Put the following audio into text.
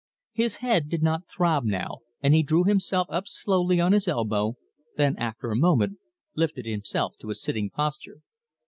His head did not throb now, and he drew himself up slowly on his elbow then, after a moment, lifted himself to a sitting posture.